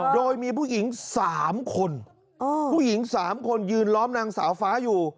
โดยมีผู้หญิง๓คนผู้หญิง๓คนยืนล้อมนางสาวฟ้าอยู่